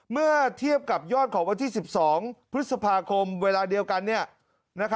เมื่อเทียบกับยอดของวันที่๑๒พฤษภาคมเวลาเดียวกัน